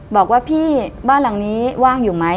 บอกว่าพี่บ้านหลังนี้ว่างอยู่ไหม